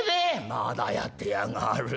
「まだやってやがる。